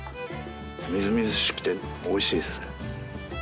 みずみずしくておいしいですね。